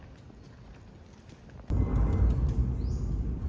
ผมไม่กล้าด้วยผมไม่กล้าด้วยผมไม่กล้าด้วย